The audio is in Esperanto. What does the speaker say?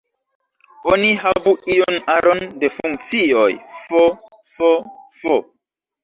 Oni havu iun aron de funkcioj "f", "f"..., "f".